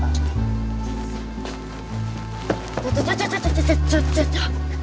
ちょちょちょちょちょちょちょちょ！